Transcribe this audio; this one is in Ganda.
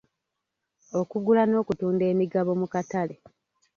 Okugula n'okutunda emigabo mu katale.